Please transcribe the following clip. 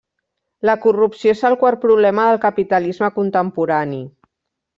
La corrupció és el quart problema del capitalisme contemporani.